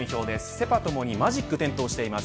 セ、パともにマジックが点灯しています。